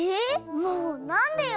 もうなんでよ！